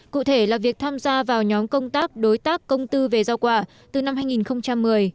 cụ thể là việc tham gia vào nhóm công tác đối tác công tư về giao quả từ năm hai nghìn một mươi